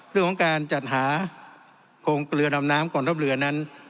เรื่องของการจัดหาโครงเรือดำน้ำกองทัพเรือนั้น